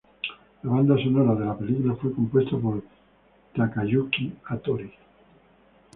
La banda sonora de la película fue compuesta por Takayuki Hattori.